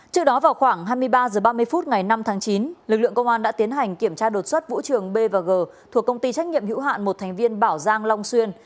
trước đó vào khoảng hai mươi ba h ba mươi phút ngày năm tháng chín lực lượng công an đã tiến hành kiểm tra đột xuất vũ trường bg thuộc công ty trách nhiệm hữu hạn một thành viên bảo giang long xuyên